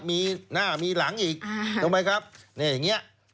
มีหน้ามีหลังอีกถูกไหมครับนี่อย่างนี้